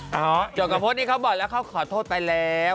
หาโจงกับพฏเนี่ยก็บอกเขาขอโทษไปแล้ว